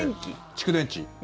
蓄電池。